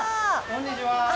こんにちは！